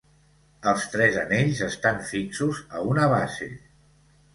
Els tres anells estan fixos a una base.